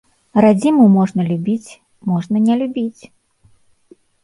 Радзіму можна любіць, можна не любіць.